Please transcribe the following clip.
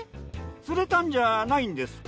釣れたんじゃないんですか？